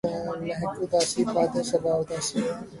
مہک اُداسی ہے، باد ِ صبا اُداسی ہے